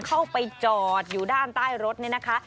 เข้าไปจอดอยู่ด้านใต้รถนี่นะคะ